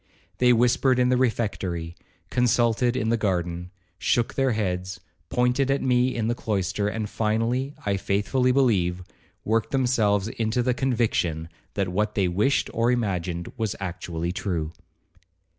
They whispered in the refectory, consulted in the garden,—shook their heads, pointed at me in the cloister, and finally, I faithfully believe, worked themselves into the conviction that what they wished or imagined was actually true.